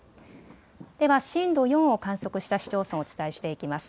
では震度４を観測した市町村、お伝えしていきます。